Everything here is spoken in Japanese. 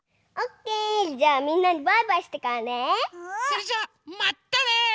それじゃまったね！